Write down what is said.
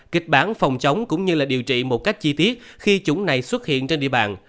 kịch bán phòng chống cũng như là điều trị một cách chi tiết khi chủng này xuất hiện trên địa bàn